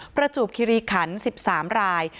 ประจวบคิริขัน๑๓ราย